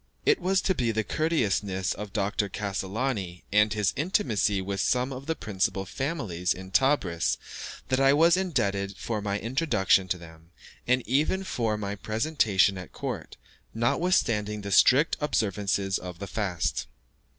It was to the courteousness of Dr. Cassolani, and his intimacy with some of the principal families in Tebris, that I was indebted for my introduction to them, and even for my presentation at court, notwithstanding the strict observance of the fast.